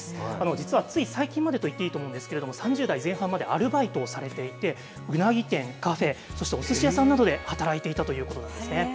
実はつい最近までといっていいと思うんですけど、３０代前半までアルバイトをされていて、うなぎ店、カフェ、そしておすし屋さんなどで働いていたということなんですね。